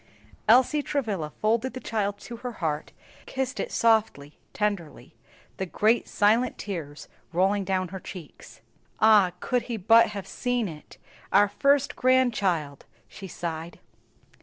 Elsie Travilla folded the child to her heart, kissed it softly, tenderly, the great silent tears rolling down her cheeks. "Ah, could he but have seen it! our first grandchild," she sighed.